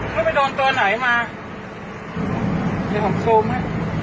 ไปโดนตัวไหนมาเดี๋ยวผมซูมให้